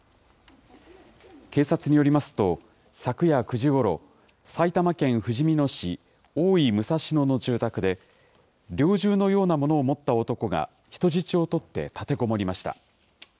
警察によりますと、昨夜９時ごろ、埼玉県ふじみ野市大井武蔵野の住宅で、猟銃のようなものを持った男が人質を取って立てこもりました。